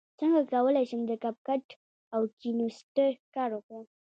څنګه کولی شم د کپ کټ او کینوسټر کار وکړم